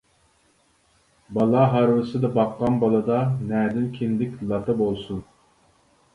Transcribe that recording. بالا ھارۋىسىدا باققان بالىدا نەدىن كىندىك لاتا بولسۇن!